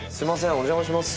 お邪魔します。